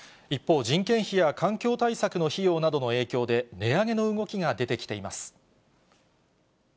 一方、人件費や環境対策の費用などの影響で、値上げの動きが出てきています。